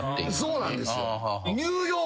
そうなんですよ。